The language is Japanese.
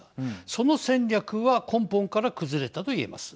その戦略は根本から崩れたといえます。